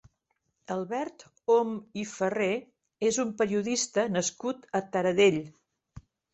Albert Om i Ferrer és un periodista nascut a Taradell.